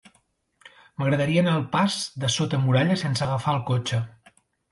M'agradaria anar al pas de Sota Muralla sense agafar el cotxe.